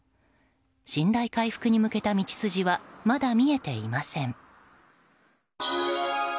信頼回復に向けた道筋はまだ見えていません。